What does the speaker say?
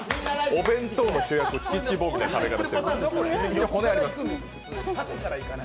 お弁当の主役・チキチキボーンみたいな食べ方してる。